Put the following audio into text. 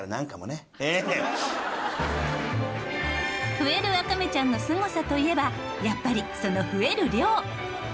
ふえるわかめちゃんのすごさといえばやっぱりその増える量。